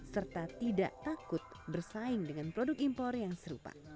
serta tidak takut bersaing dengan produk impor yang serupa